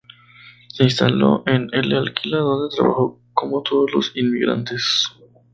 Se instaló en L'Aquila, donde trabajó como todos los inmigrantes.